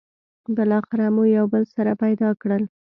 بالاخره مو یو بل سره پيدا کړل.